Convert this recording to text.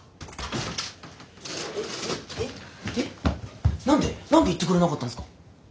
何で言ってくれなかったんすか。